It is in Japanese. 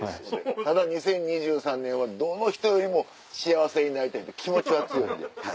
ただ２０２３年はどの人よりも幸せになりたいって気持ちは強いんで。